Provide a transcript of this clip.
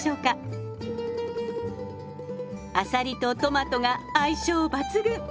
あさりとトマトが相性抜群！